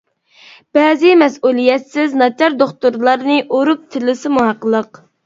بەزى مەسئۇلىيەتسىز، ناچار دوختۇرلارنى ئۇرۇپ تىللىسىمۇ ھەقلىق.